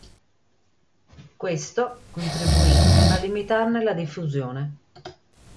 Questo contribuì a limitarne la diffusione.